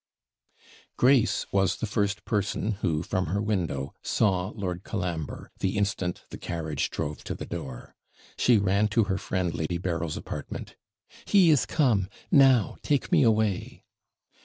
Grace was the first person who, from her window, saw Lord Colambre, the instant the carriage drove to the door. She ran to her friend Lady Berryl's apartment 'He is come! Now, take me away!'